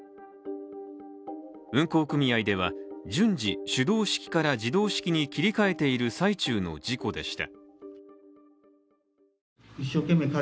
運航組合では、順次手動式から自動式に切り替えている最中の事故でした。